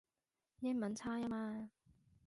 英文差吖嘛